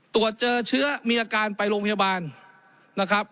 ตรวจเจอเชื้อมีอาการไปโรงพยาบาลนะครับ